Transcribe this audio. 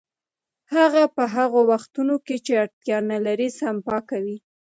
هغه په هغو وختونو کې چې اړتیا نلري سپما کوي